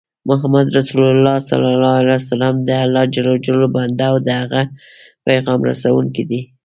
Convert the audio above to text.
محمد رسول الله دالله ج بنده او د د هغه پیغام رسوونکی دی